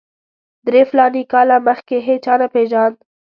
درې فلاني کاله مخکې هېچا نه پېژاند.